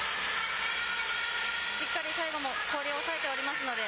しっかり最後も氷を押さえておりますので